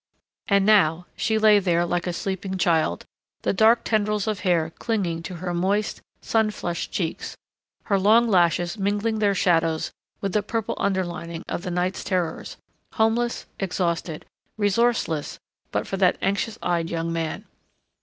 And now she lay there, like a sleeping child, the dark tendrils of hair clinging to her moist, sun flushed cheeks, her long lashes mingling their shadows with the purple underlining of the night's terrors, homeless, exhausted, resourceless but for that anxious eyed young man.